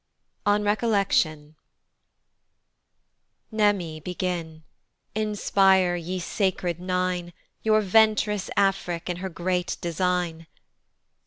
On RECOLLECTION. MNEME begin. Inspire, ye sacred nine, Your vent'rous Afric in her great design.